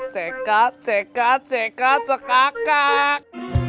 cekat cekat cekat cekakak